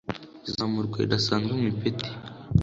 izamurwa ridasanzwe mu ipeti